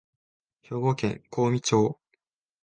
兵庫県香美町